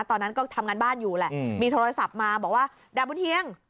ตอนนั้นก็ทำงานบ้านอยู่แหละมีโทรศัพท์มาบอกว่าดาบบุญเฮียง